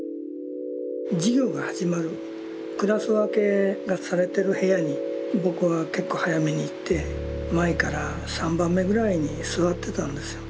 授業が始まるクラス分けがされてる部屋に僕は結構早めに行って前から３番目ぐらいに座ってたんですよ。